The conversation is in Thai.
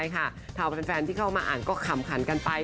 ทำแฟนที่เข้ามาอ่านก็ขำขันกันไป